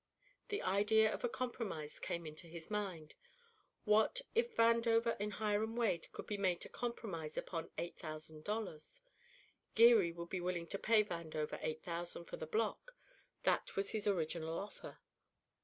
The idea of a compromise came into his mind. What if Vandover and Hiram Wade could be made to compromise upon eight thousand dollars! Geary would be willing to pay Vandover eight thousand for the block. That was his original offer.